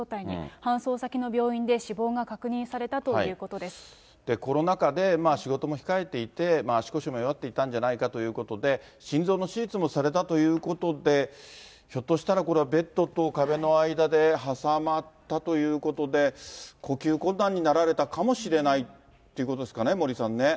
搬送先の病院で死亡が確認されたコロナ禍で仕事も控えていて、足腰も弱っていたんじゃないかということで、心臓の手術もされたということで、ひょっとしたらこれ、ベッドと壁の間で挟まったということで、呼吸困難になられたかもしれないっていうことですかね、森さんね。